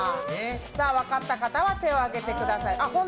分かった方は手を上げてください。